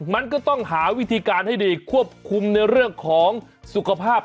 มันก็ต้องหาวิธีการให้ดีควบคุมในเรื่องของสุขภาพ